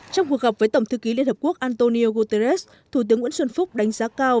trong cuộc gặp với tổng thư ký liên hợp quốc antonio guterres thủ tướng nguyễn xuân phúc đánh giá cao